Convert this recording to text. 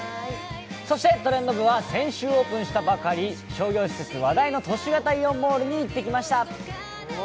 そして「トレンド部」は先週オープンしたばかり商業施設都市型イオンモールに行ってきました。